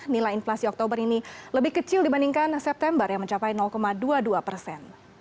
nilai inflasi oktober ini lebih kecil dibandingkan september yang mencapai dua puluh dua persen